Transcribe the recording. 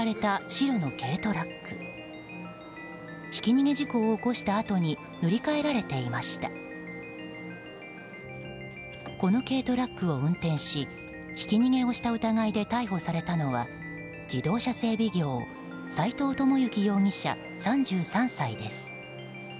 この軽トラックを運転しひき逃げをした疑いで逮捕されたのは、自動車整備業斎藤友之容疑者、３３歳です。